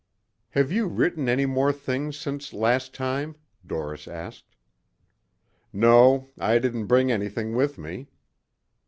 "Have you written any more things since last time?" Doris asked. "No. I didn't bring anything with me."